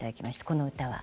この歌は。